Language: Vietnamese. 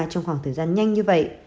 trong khoảng thời gian rất ngắn